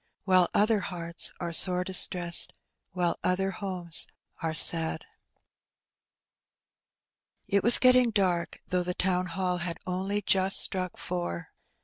While other hearts ore sore distreseed, While other homes are sad ? T was getting dark, thongh the Town Hall clock had only just struck four.